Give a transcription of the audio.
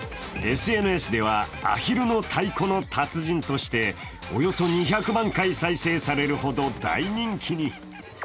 ＳＮＳでは、アヒルの太鼓の達人として、およそ２００万回再生されるほど大人気に。